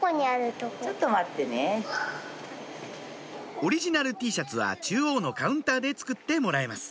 オリジナルＴシャツは中央のカウンターで作ってもらえます